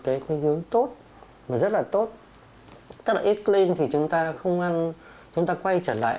cái khuyến hướng tốt và rất là tốt tức là eat clean thì chúng ta không ăn chúng ta quay trở lại